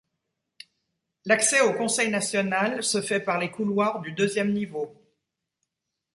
L'accès au conseil national se fait par les couloirs du deuxième niveau.